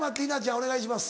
お願いします。